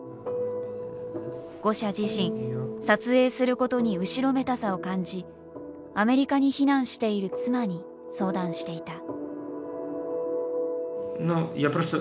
ゴシャ自身撮影することに後ろめたさを感じアメリカに避難している妻に相談していた。